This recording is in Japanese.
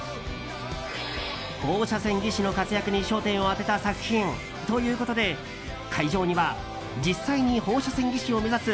放射線技師の活躍に焦点を当てた作品ということで会場には実際に放射線技師を目指す